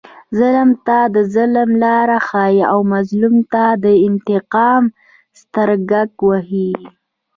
ظلم ته د ظلم لاره ښیي او مظلوم ته د انتقام سترګک وهي.